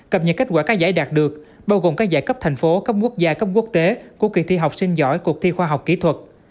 cập nhật kết quả các giải đạt được bao gồm các giải cấp thành phố cấp quốc gia cấp quốc tế của kỳ thi học sinh giỏi cuộc thi khoa học kỹ thuật